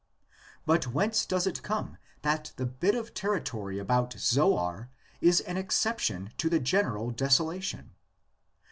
But whence does it come that the bit of territory about Zoar is an exception to the general desola tion?